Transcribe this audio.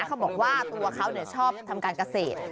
เขาบอกว่าตัวเขาชอบทำการเกษตร